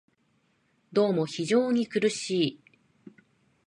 どうも非常に苦しい